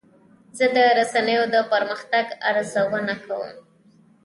زه د رسنیو د پرمختګ ارزونه کوم.